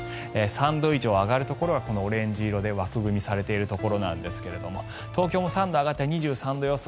３度以上上がるところはオレンジ色で枠組みされているところなんですが東京も３度上がって２３度予想。